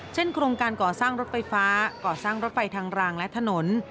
โครงการก่อสร้างรถไฟฟ้าก่อสร้างรถไฟทางรางและถนน